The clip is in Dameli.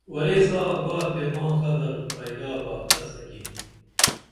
ورے سا گا تے ماں قدر پیدا با تسہ کی